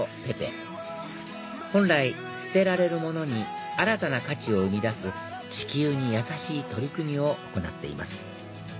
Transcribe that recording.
本来捨てられるものに新たな価値を生み出す地球にやさしい取り組みを行っています